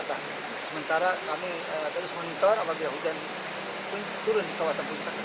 sementara kami terus monitor apabila hujan turun di kawasan puncak